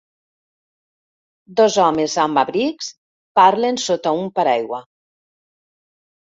Dos homes amb abrics parlen sota un paraigua.